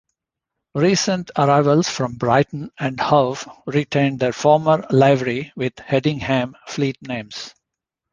Recent arrivals from Brighton and Hove retained their former livery with Hedingham fleetnames.